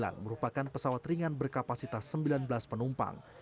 n dua ratus sembilan belas merupakan pesawat ringan berkapasitas sembilan belas penumpang